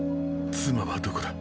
妻はどこだ。